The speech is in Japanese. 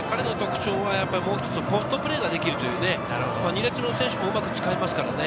もう一つ、ポストプレーができる２列目の選手もうまく使いますからね。